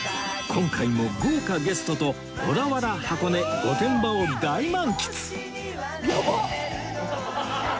今回も豪華ゲストと小田原箱根御殿場を大満喫！